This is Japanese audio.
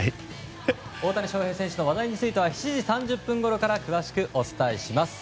大谷選手の話題については７時３０分ごろから詳しくお伝えします。